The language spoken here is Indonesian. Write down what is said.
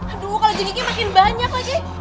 aduh kalau jengiknya makin banyak lagi